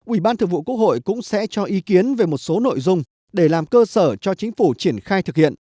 ủy ban thượng vụ quốc hội cũng sẽ cho ý kiến về một số nội dung để làm cơ sở cho chính phủ triển khai thực hiện